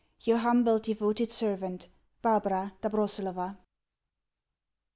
Your humble, devoted servant, BARBARA DOBROSELOVA.